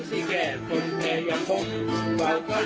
มันสิแก่คนแต่ยังคงกว่าทำรม